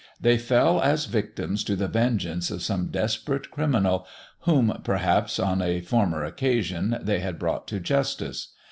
They fell as victims to the vengeance of some desperate criminal whom, perhaps, on a former occasion, they had brought to justice.